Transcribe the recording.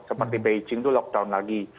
seperti beijing itu lockdown lagi